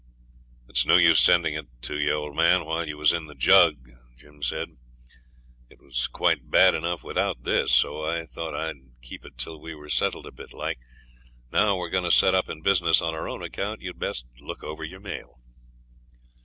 'It was no use sending it to you, old man, while you was in the jug,' he says; 'it was quite bad enough without this, so I thought I'd keep it till we were settled a bit like. Now we're going to set up in business on our own account you'd best look over your mail.'